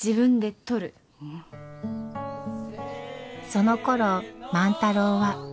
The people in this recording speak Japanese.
そのころ万太郎は。